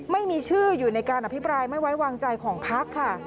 ไม่มีชื่ออยู่ในการอภิปรายไม่ไว้วางใจของพักค่ะ